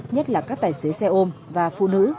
nhất là các tài xế xe ôm và phụ nữ